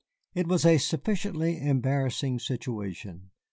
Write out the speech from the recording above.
It was a sufficiently embarrassing situation.